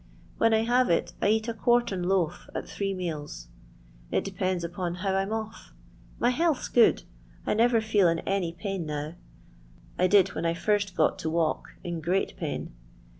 When I have it I eat a quartern loaf at three meals. It depends upon how I 'm off. My health 's good. I never feel in any pain now ; I did when I first got to walk, in great pain.